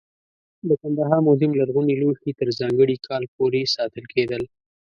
د کندهار موزیم لرغوني لوښي تر ځانګړي کال پورې ساتل کېدل.